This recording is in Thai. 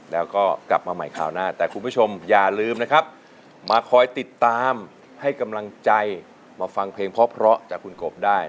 แล้วก็กลับมาใหม่คราวหน้าแต่คุณผู้ชมอย่าลืมนะครับมาคอยติดตามให้กำลังใจมาฟังเพลงเพราะจากคุณกบได้